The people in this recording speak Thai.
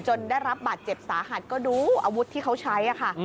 ได้รับบาดเจ็บสาหัสก็ดูอาวุธที่เขาใช้ค่ะ